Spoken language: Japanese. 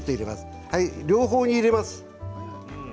両方に入れます。